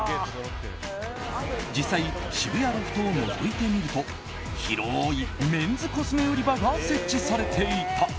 実際、渋谷ロフトをのぞいてみると広いメンズコスメ売り場が設置されていた。